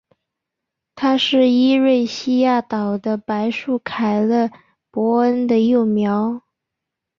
它是伊瑞西亚岛的白树凯勒博恩的幼苗。